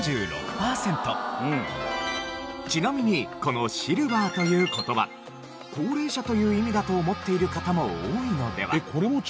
ちなみにこの「シルバー」という言葉「高齢者」という意味だと思っている方も多いのでは？